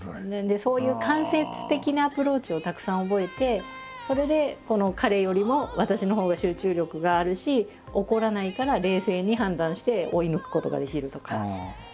そういう間接的なアプローチをたくさん覚えてそれで彼よりも私のほうが集中力があるし怒らないから冷静に判断して追い抜くことができるとか。